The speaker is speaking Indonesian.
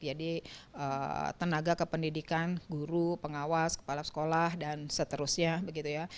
jadi tenaga kependidikan guru pengawas kepala sekolah dan seterusnya